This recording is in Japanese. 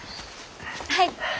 はい。